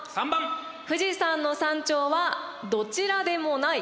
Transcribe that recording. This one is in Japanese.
富士山の山頂はどちらでもない。